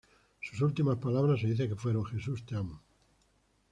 Sus últimas palabras se dice que fueron: "¡Jesús, te amo!".